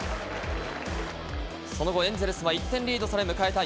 その後エンゼルスは１点リードされ迎えた